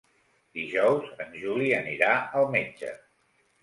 Dijous en Juli anirà al metge.